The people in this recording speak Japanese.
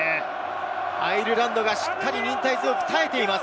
アイルランドがしっかり耐えています。